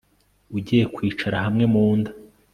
Ugiye kwicara hamwe mu nda